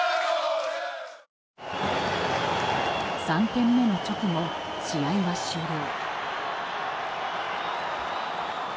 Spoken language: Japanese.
３点目の直後、試合は終了。